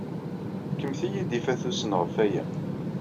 Fkemt-iyi-d ifatusen ɣef waya.